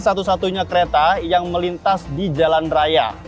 satu satunya kereta yang melintas di jalan raya